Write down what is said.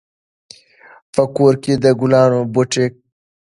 په کور کې د ګلانو بوټي کېنوو.